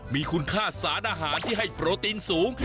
มีคุณค่าสารอาหารที่ให้โปรตีนสูง